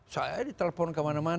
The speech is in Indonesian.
saya ditelepon kemana mana